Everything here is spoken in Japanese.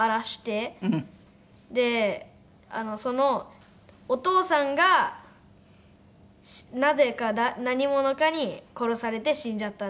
でそのお父さんがなぜか何者かに殺されて死んじゃったんですよ。